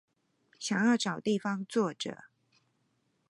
想要找地方坐著